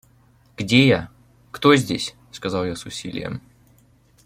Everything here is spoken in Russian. «Где я? кто здесь?» – сказал я с усилием.